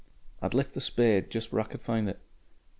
"I'd left the spade just where I could find it.